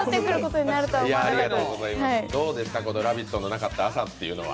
どうでした、「ラヴィット！」のなかった朝というのは。